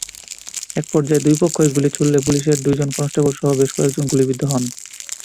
একপর্যায়ে দুই পক্ষই গুলি ছুড়লে পুলিশের দুজন কনস্টেবলসহ বেশ কয়েকজন গুলিবিদ্ধ হন।